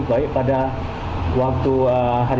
baik pada waktu hari